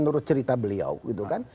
menurut cerita beliau gitu kan